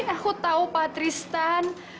aku tau patristan